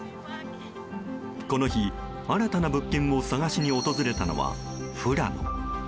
この日、新たな物件を探しに訪れたのは富良野。